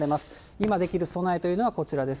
今できる備えというのはこちらです。